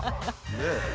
ねえ。